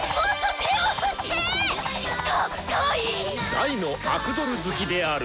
大のアクドル好きである。